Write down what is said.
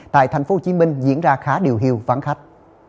tại tp hcm diễn ra khá điều hưu vắng khách